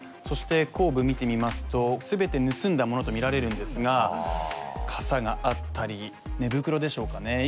そして後部見てみますと全て盗んだものとみられるんですが傘があったり寝袋でしょうかね